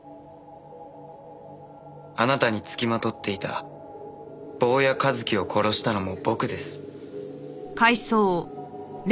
あなたにつきまとっていた坊谷一樹を殺したのも僕です。